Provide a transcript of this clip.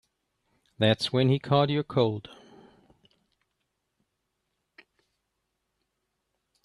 That's when he caught your cold.